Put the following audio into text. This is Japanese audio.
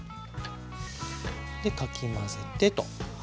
でかき混ぜてと。